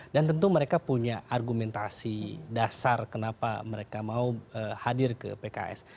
dan tentu mereka punya argumentasi dasar kenapa mereka mau hadir ke pks